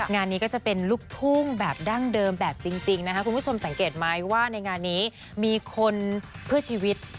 งานนี้ก็จะเป็นลูกทุ่งแบบดั้งเดิมแบบจริงนะคะคุณผู้ชมสังเกตไหมว่าในงานนี้มีคนเพื่อชีวิต